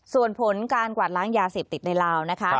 ส่วนผลการกวาดล้างยาเสพติดในลาวนะคะ